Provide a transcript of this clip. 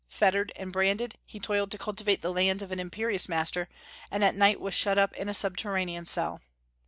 Fettered and branded, he toiled to cultivate the lands of an imperious master, and at night was shut up in a subterranean cell.